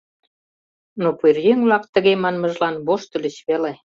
Но пӧръеҥ-влак тыге манмыжлан воштыльыч веле.